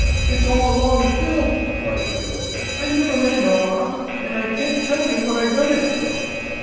'It's all along of Bill!' cried the girl. 'I never meant no 'arm, and I can't tell yer what I done it for.'